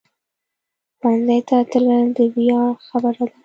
ښوونځی ته تلل د ویاړ خبره ده